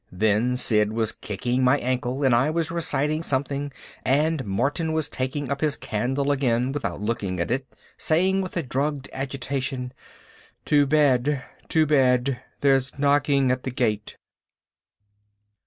Then Sid was kicking my ankle and I was reciting something and Martin was taking up his candle again without looking at it saying with a drugged agitation, "To bed; to bed; there's knocking at the gate."